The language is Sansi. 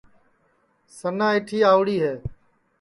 سنا ایٹھی آئوڑی ہے